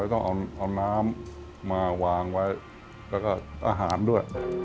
ต้องเอาน้ำมาวางไว้แล้วก็อาหารด้วย